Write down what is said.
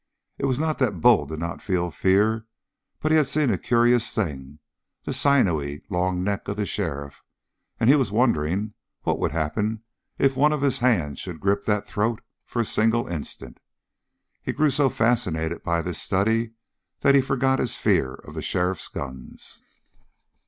It was not that Bull did not feel fear, but he had seen a curious thing the sinewy, long neck of the sheriff and he was wondering what would happen if one of his hands should grip that throat for a single instant. He grew so fascinated by this study that he forgot his fear of the sheriff's guns.